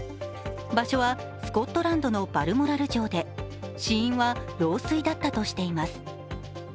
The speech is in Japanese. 場所はスコットランドのバルモラル城で死因は老衰だったとしています。